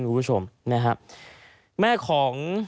คุณผู้ชมแม่ของ